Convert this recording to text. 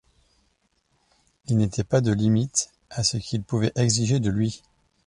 Il n’était pas de limite à ce qu’il pouvait exiger de lui.